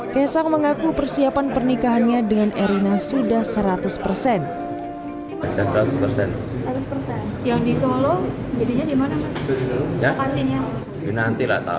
kesang mengaku persiapan pernikahannya dengan erina sudah seratus persen